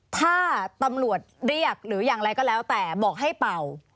ถ้าตำรวจเรียกหรืออย่างไรก็แล้วแต่บอกให้เป่า